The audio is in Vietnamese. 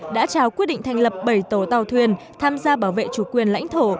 đã trao quyết định thành lập bảy tổ tàu thuyền tham gia bảo vệ chủ quyền lãnh thổ